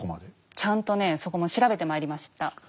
ちゃんとねそこも調べてまいりました。